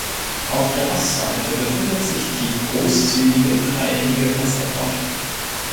Auf der Ostseite befindet sich die grosszügige dreieckige Fensterfront.